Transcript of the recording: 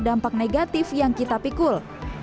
dampak negatif yang kita pikul